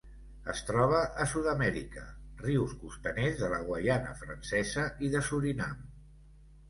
Es troba a Sud-amèrica: rius costaners de la Guaiana Francesa i de Surinam.